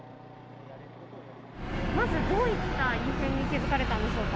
まず、どういった異変に気付かれたんでしょうか。